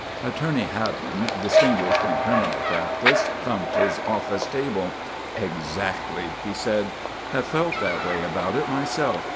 Attorney Haddon, distinguished in criminal practice, thumped his office table. "Exactly," he said. "Have felt that way about it myself.